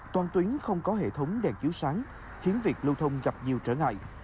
toàn tuyến không có hệ thống đèn chiếu sáng khiến việc lưu thông gặp nhiều trở ngại